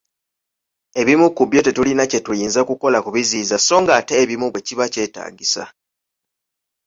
Ebimu ku byo tetulina kye tuyinza kukola kubiziyiza so ng'ate ebimu bwe kiba kyetaagisa.